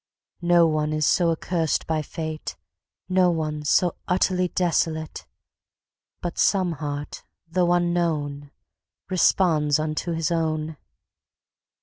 No one is so accursed by fate, No one so utterly desolate, But some heart, though unknmown, Responds unto his own.